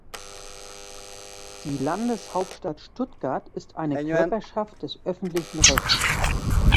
Die Landeshauptstadt Stuttgart ist eine Körperschaft des öffentlichen Rechts.